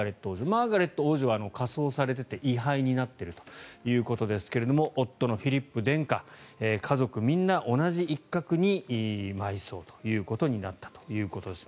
マーガレット王女は火葬されていて遺灰になっているということですが夫のフィリップ殿下家族みんな同じ一角に埋葬ということになったということです。